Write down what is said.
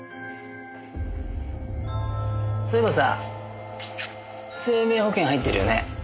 そういえばさ生命保険入ってるよね？